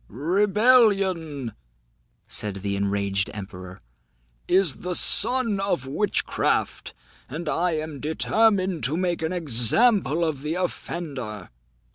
"Rebellion," said the enraged emperor, "is the son of witchcraft, and I am determined to make an example of the offender."